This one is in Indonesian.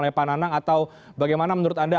oleh pak nanang atau bagaimana menurut anda